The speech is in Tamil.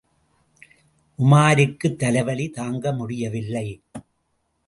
உமாருக்குத் தலைவலி தாங்க முடியவில்லை.